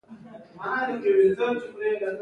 د رنګ جوړولو فابریکې شته؟